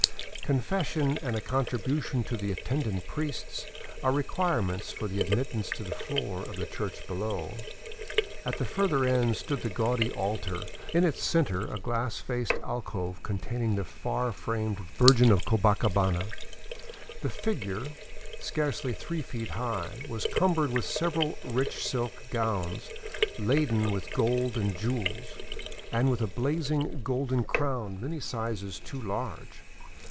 Confession and a contribution to the attendant priests are requirements for admittance to the floor of the church below. At the further end stood the gaudy altar, in its center a glass faced alcove containing the far famed Virgin of Copacabana. The figure, scarcely three feet high, was cumbered with several rich silk gowns, laden with gold and jewels, and with a blazing golden crown many sizes too large.